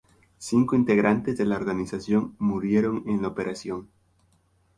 Cinco integrantes de la organización murieron en la operación.